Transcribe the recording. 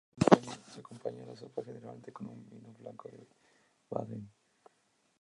Se acompaña la sopa generalmente con un vino blanco de Baden.